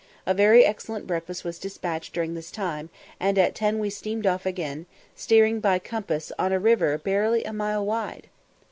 A very excellent breakfast was despatched during this time, and at ten we steamed off again, steering by compass on a river barely a mile wide!